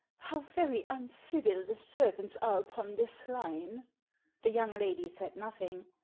"How very uncivil the servants are upon this line!" The young lady said nothing.